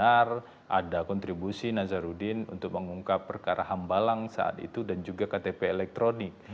benar ada kontribusi nazarudin untuk mengungkap perkara hambalang saat itu dan juga ktp elektronik